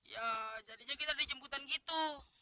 ya jadinya kita dijemputan gitu